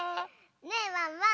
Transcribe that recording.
ねえワンワン！